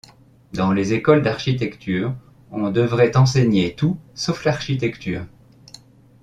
Dans les écoles d'architecture, on devrait enseigner tout sauf l'architecture.